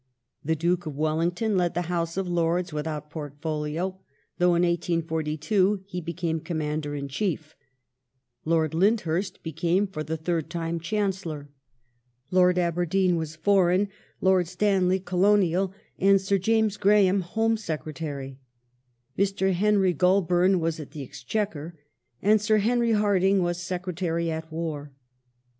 The Duke of Wellington led the House of Lords without portfolio, though, in 1842, he became Commander in Chief ; Lord Lyndhui st became for the third time Chancellor ; Lord Aberdeen was Foreign,, Lord Stanley Colonial, and Sir James Graham Home Secretary; Mr. Henry Goulburn was at the Exchequer and Sir Henry Hardinge was Secretary at War.